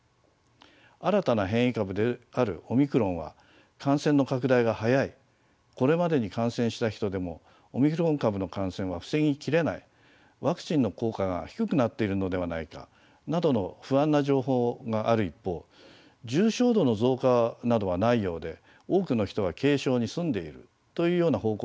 新たな変異株であるオミクロンは感染の拡大が速いこれまでに感染した人でもオミクロン株の感染は防ぎ切れないワクチンの効果が低くなっているのではないかなどの不安な情報がある一方重症度の増加などはないようで多くの人は軽症に済んでいるというような報告も増加しています。